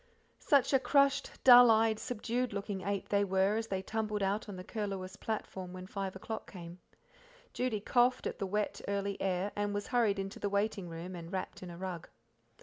Such a crushed, dull eyed, subdued looking eight they were as they tumbled out on the Curlewis platform when five o'clock came. Judy coughed at the wet, early, air, and was hurried into the waiting room and wrapped in a rug.